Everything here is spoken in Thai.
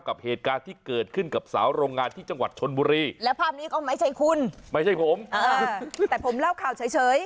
กับเหตุการณ์ที่เกิดขึ้นกับสาวโรงงานที่จังหวัดชนบุรีและภาพนี้ก็ไม่ใช่คุณไม่ใช่ผมแต่ผมเล่าข่าวเฉย